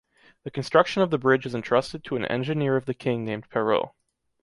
The construction of the bridge is entrusted to an engineer of the King named Peirault.